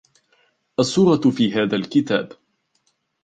الصورة في هذا الكتاب.